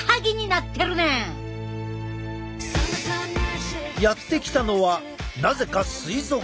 やって来たのはなぜか水族館！